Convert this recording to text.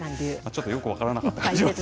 ちょっとよく分からなかった。